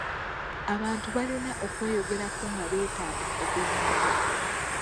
Abantu balina okweyogerako nga beetaaga obuyambi.